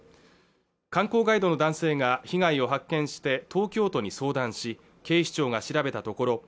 観光ガイドの男性が被害を発見して東京都に相談し警視庁が調べたところ